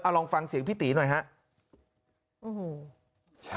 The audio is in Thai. เอาลองฟังเสียงพี่ตี๋หน่อยฮะ